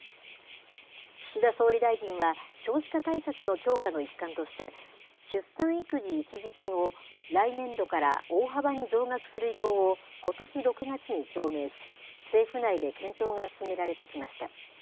岸田総理大臣は、少子化対策の強化の一環として、出産育児一時金を来年度から大幅に増額する意向をことし６月に表明し、政府内で検討が進められてきました。